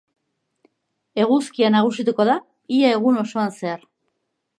Eguzkia nagusituko da ia egun osoan zehar.